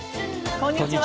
こんにちは。